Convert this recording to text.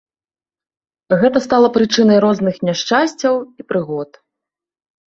Гэта стала прычынай розных няшчасцяў і прыгод.